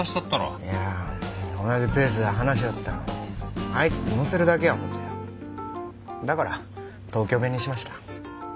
いやあ同じペースで話しよったら相手をのせるだけや思うてだから東京弁にしました。